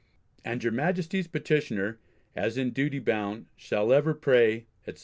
And your Majesty's petitioner, as in duty bound, shall ever pray, etc.